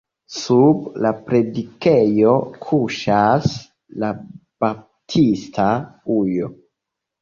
Sub la predikejo kuŝas la baptista ujo.